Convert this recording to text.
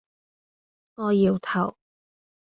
我搖頭